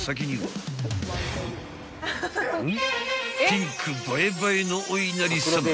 ［ピンク映え映えのおいなりさま］